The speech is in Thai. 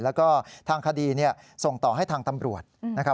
แล้วก็ทางคดีส่งต่อให้ทางตำรวจนะครับ